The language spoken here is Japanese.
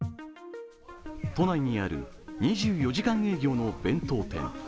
都内にある２４時間営業の弁当店。